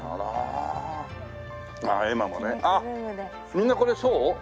みんなこれそう？